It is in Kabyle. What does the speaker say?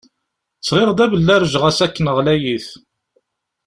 Sɣiɣ-d abellarej ɣas akken ɣlayit.